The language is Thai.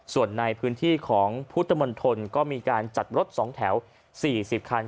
ส่วนในพื้นที่ของพุทธมนตรก็มีการจัดรถ๒แถว๔๐คัน